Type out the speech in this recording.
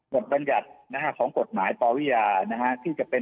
กฎบรรยัติของกฎหมายต่อวิอาที่จะเป็น